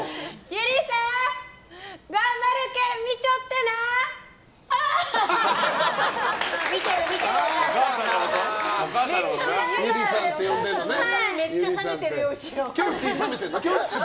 百合さん、頑張るけん見ちょってなー！